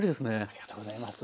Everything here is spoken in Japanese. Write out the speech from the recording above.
ありがとうございます。